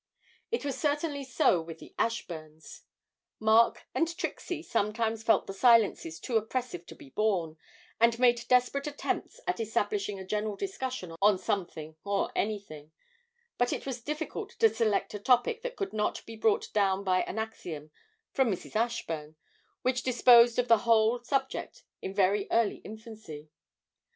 It was certainly so with the Ashburns. Mark and Trixie sometimes felt the silences too oppressive to be borne, and made desperate attempts at establishing a general discussion on something or anything; but it was difficult to select a topic that could not be brought down by an axiom from Mrs. Ashburn, which disposed of the whole subject in very early infancy.